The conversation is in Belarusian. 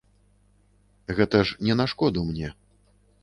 Гэта ж не на шкоду мне.